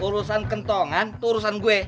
urusan kentongan itu urusan gue